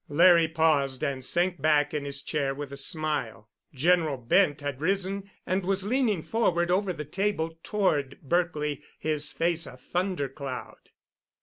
Larry paused and sank back in his chair with a smile. General Bent had risen and was leaning forward over the table toward Berkely, his face a thunder cloud.